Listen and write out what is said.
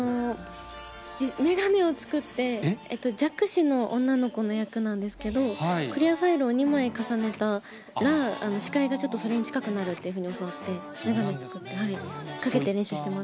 眼鏡を作って、弱視の女の子の役なんですけれども、クリアファイルを２枚重ねたら、視界がちょっとそれに近くなるっていうふうに教わって、眼鏡作ってかけて練習してます。